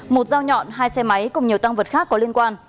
một dao nhọn hai xe máy cùng nhiều tăng vật khác có liên quan